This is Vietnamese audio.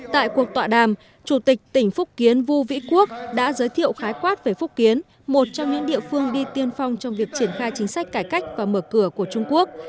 tại cuộc tọa đàm chủ tịch tỉnh phúc kiến vu vĩ quốc đã giới thiệu khái quát về phúc kiến một trong những địa phương đi tiên phong trong việc triển khai chính sách cải cách và mở cửa của trung quốc